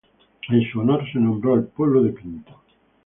En su honor se nombró al pueblo de Pinto.